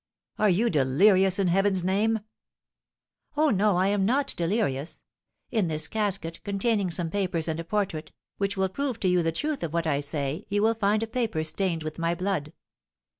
"Are you delirious, in heaven's name?" "Oh, no, I am not delirious! In this casket, containing some papers and a portrait, which will prove to you the truth of what I say, you will find a paper stained with my blood!"